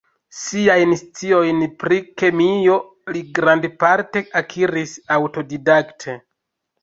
Siajn sciojn pri kemio li grandparte akiris aŭtodidakte.